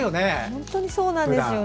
本当にそうなんです。